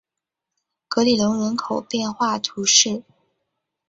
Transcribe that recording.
格里隆人口变化图示